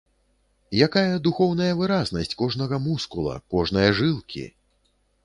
Якая духоўная выразнасць кожнага мускула, кожнае жылкі!